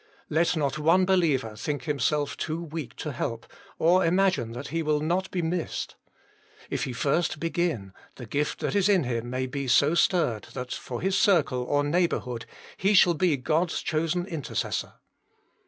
Let not one believer think himself too weak to help, or imagine that he will not be missed. If he first begin, the gift that is in him may be so stirred that, for his circle or neighbourhood, he shall be God s chosen intercessor.